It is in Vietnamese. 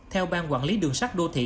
theo ban quản lý đường sát đô thị